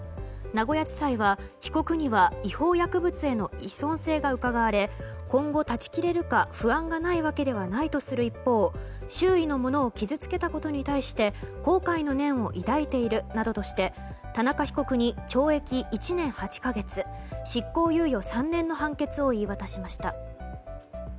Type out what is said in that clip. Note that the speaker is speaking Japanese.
名古屋地裁は被告には違法薬物への依存性がうかがわれ今後、断ち切れるか不安がないわけではないとする一方周囲の者を傷つけたことに対して後悔の念を抱いているなどとして田中被告に懲役１年８か月執行猶予３年の判決を言い渡しました。